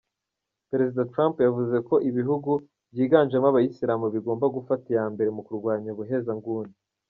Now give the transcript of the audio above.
Perezida Trump yavuze ko ibihugu byiganjemo abayisilamu bigomba gufata iya mbere mu kurwanya ubuhezanguni.